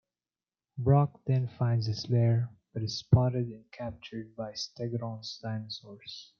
Brock then finds his lair, but is spotted and captured by Stegron's dinosaurs.